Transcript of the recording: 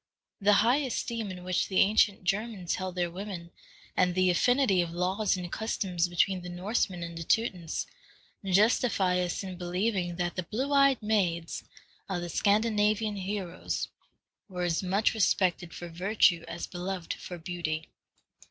The high esteem in which the ancient Germans held their women, and the affinity of laws and customs between the Norsemen and the Teutons, justify us in believing that the blue eyed maids of the Scandinavian heroes were as much respected for virtue as beloved for beauty.